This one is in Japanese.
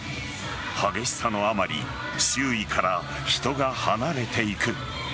激しさのあまり周囲から人が離れていく。